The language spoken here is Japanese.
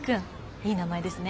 いい名前ですね。